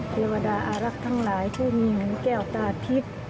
เยวดาอารักษ์ทั้งหลายชื่อมิงแก้วตาพิษ